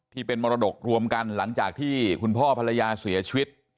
ที่เป็นมรดกรวมกันหลังจากที่คุณพ่อภรรยาเสียชีวิต